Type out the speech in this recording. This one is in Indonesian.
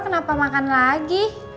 kenapa makan lagi